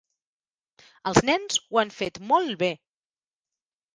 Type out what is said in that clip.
Els nens ho han fet molt bé.